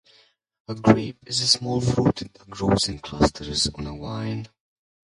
A grape is a small fruit that grows in clusters on a vine.